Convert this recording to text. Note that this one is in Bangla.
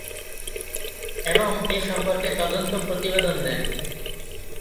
এবং এ সম্পর্কে তদন্ত প্রতিবেদন দেন।